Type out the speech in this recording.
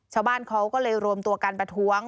ชาวบ้านเขาก็เลยรวมตัวกันประท้วง